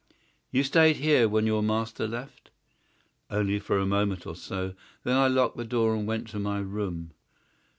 "You stayed here when your master left?" "Only for a minute or so. Then I locked the door and went to my room."